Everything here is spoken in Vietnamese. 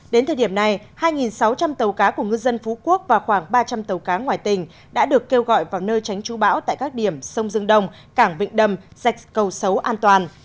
đến thời điểm này hai sáu trăm linh tàu cá của ngư dân phú quốc và khoảng ba trăm linh tàu cá ngoài tỉnh đã được kêu gọi vào nơi tránh trú bão tại các điểm sông dương đông cảng vịnh đầm sạch cầu xấu an toàn